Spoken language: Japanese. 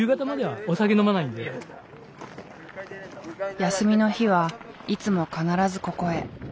休みの日はいつも必ずここへ。